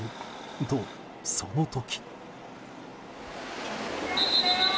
と、その時。